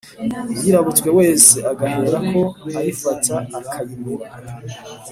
uyirabutswe wese, agahera ko ayifata akayimira.